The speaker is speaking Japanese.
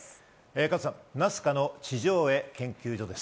加藤さん、ナスカの地上絵研究所です。